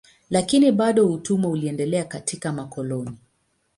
Lakini bado utumwa uliendelea katika makoloni.